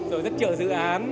rồi rất chờ dự án